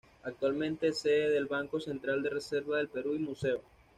Actualmente es sede del Banco Central de Reserva del Perú y museo.